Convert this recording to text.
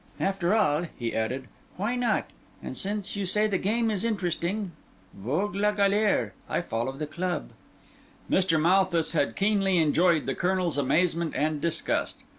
"After all," he added, "why not? And since you say the game is interesting, vogue la galère—I follow the club!" Mr. Malthus had keenly enjoyed the Colonel's amazement and disgust.